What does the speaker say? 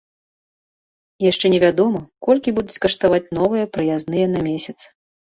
Яшчэ не вядома, колькі будуць каштаваць новыя праязныя на месяц.